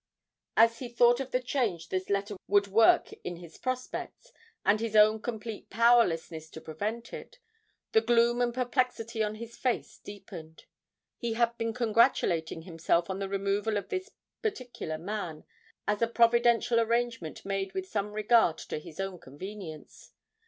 As he thought of the change this letter would work in his prospects, and his own complete powerlessness to prevent it, the gloom and perplexity on his face deepened. He had been congratulating himself on the removal of this particular man as a providential arrangement made with some regard to his own convenience.